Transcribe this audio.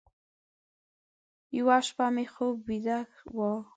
یوه شپه مې خوب ویده و،